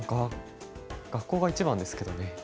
学校が一番ですけどね。